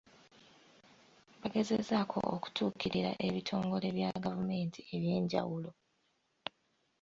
Bagezezzaako okutuukirira ebitongole bya gavumenti eby'enjawulo.